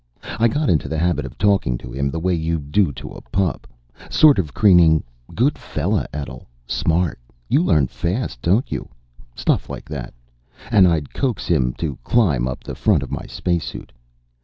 I got into the habit of talking to him the way you do to a pup. Sort of crooning. "Good fella, Etl. Smart. You learn fast, don't you?" Stuff like that. And I'd coax him to climb up the front of my spacesuit.